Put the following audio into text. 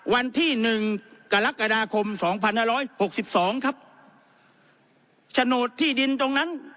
วันที่หนึ่งกรกฎาคมสองพันห้าร้อยหกสิบสองครับโฉนดที่ดินตรงนั้น